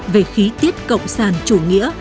về khí tiết cộng sản chủ nghĩa